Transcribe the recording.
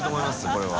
これは。